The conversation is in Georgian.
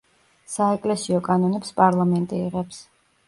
საეკლესიო კანონებს პარლამენტი იღებს.